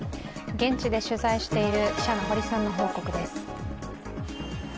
現地で取材している記者の堀さんの報告です。